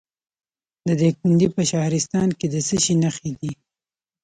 د دایکنډي په شهرستان کې د څه شي نښې دي؟